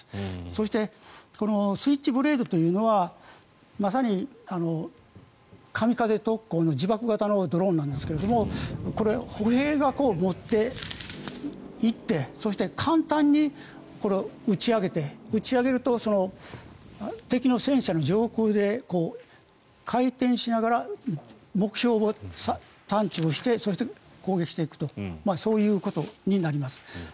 そして、このスイッチブレードというのはまさに神風特攻の自爆型のドローンなんですがこれ、歩兵が持っていってそして簡単に打ち上げて打ち上げると敵の戦車の上空で回転しながら目標を探知してそして攻撃していくとそういうことになります。